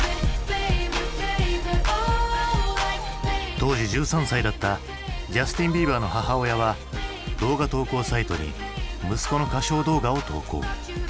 当時１３歳だったジャスティン・ビーバーの母親は動画投稿サイトに息子の歌唱動画を投稿。